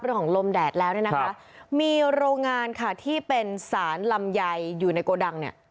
เรื่องของลมแดดแล้วเนี่ยนะคะมีโรงงานค่ะที่เป็นสารลำไยอยู่ในโกดังเนี่ย